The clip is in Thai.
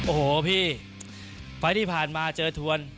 โอ้โหพี่ไฟล์ที่ผ่านมาเจอทวน